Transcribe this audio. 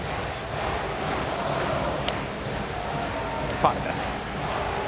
ファウルです。